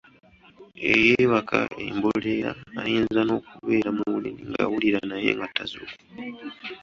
Eyeebaka emboleera ayinza n’okubeera mu buliri ng’awulira naye nga tazuukuka.